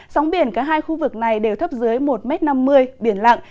sóng biển cả hai khu vực này đều thấp dưới một năm mươi biển lặng